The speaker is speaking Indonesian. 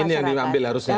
ini yang diambil harusnya ya